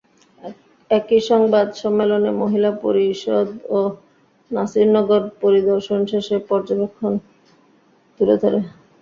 একই সংবাদ সম্মেলনে মহিলা পরিষদও নাসিরনগর পরিদর্শন শেষে পর্যবেক্ষণ তুলে ধরে।